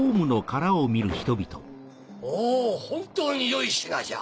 おぉ本当によい品じゃ。